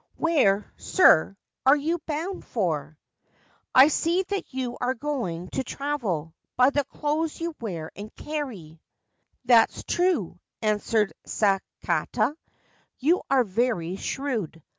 Where, sir, are you bound for ? I see that you are going to travel — by the clothes you wear and carry/ ' That's true/ answered Sakata :' you are very shrewd.